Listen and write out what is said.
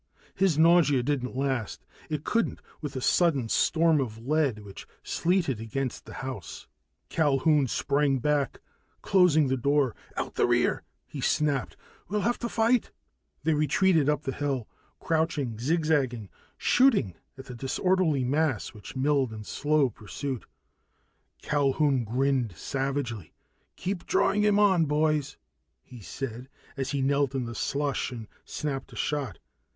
His nausea didn't last. It couldn't, with the sudden storm of lead which sleeted against the house. Culquhoun sprang back, closing the door. "Out the rear!" he snapped. "We'll have to fight!" They retreated up the hill, crouching, zigzagging, shooting at the disorderly mass which milled in slow pursuit. Culquhoun grinned savagely. "Keep drawing 'em on, boys," he said as he knelt in the slush and snapped a shot.